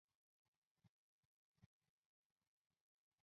平罗线